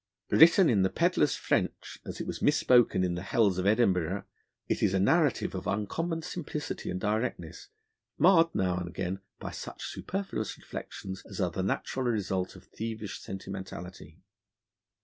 Written in the pedlar's French as it was misspoken in the hells of Edinburgh, it is a narrative of uncommon simplicity and directness, marred now and again by such superfluous reflections as are the natural result of thievish sentimentality.